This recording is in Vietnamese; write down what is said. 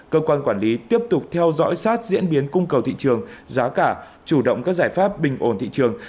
cơ quan quản lý tiếp tục theo dõi sát diễn biến cung cầu thị trường giá cả chủ động các giải pháp bình ổn thị trường